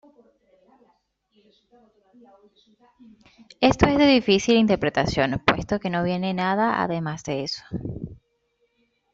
Esto es de difícil interpretación, puesto que no viene nada además de eso.